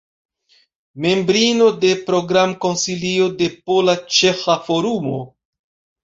Membrino de Program-Konsilio de Pola-Ĉeĥa Forumo.